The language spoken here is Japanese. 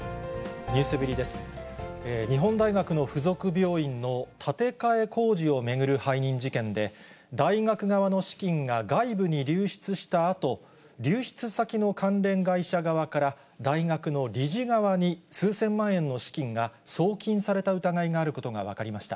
日本大学の付属病院の建て替え工事を巡る背任事件で、大学側の資金が外部に流出したあと、流出先の関連会社側から大学の理事側に、数千万円の資金が送金された疑いがあることが分かりました。